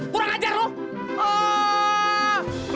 kurang ajar lu